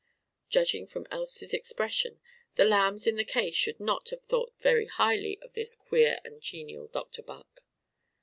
Judging from Elsie's expression, the lambs in the case could not have thought very highly of this queer and genial Dr. Buck.